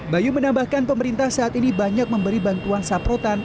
bayu menambahkan pemerintah saat ini banyak memberi bantuan saprotan